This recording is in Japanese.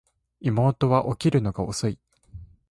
妹は起きるのが遅い